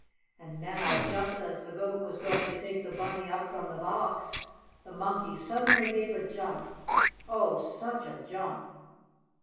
And now, just as the Goat was going to take the Bunny up from the box, the Monkey suddenly gave a jump! Oh, such a jump!